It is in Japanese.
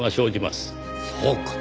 そうか。